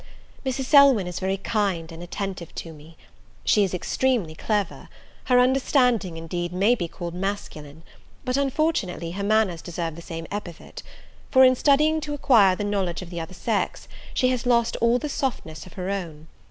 Mrs. Selwyn is very kind and attentive to me. She is extremely clever: her understanding, indeed, may be called masculine: but, unfortunately, her manners deserve the same epithet; for, in studying to acquire the knowledge of the other sex, she has lost all the softness of her own.